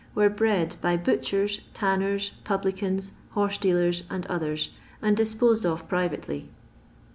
were bred by butchers, tanners, publicans, horseKlealers, and others, and disposed of privately.